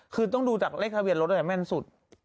คือต้องดูจากเลขทะเบียนรถด้วยแม่นสุด